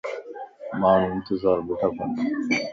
ماڻھون انتظار بيٺاڪن